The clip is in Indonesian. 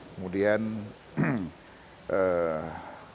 kemudian menimbulkan kegiatan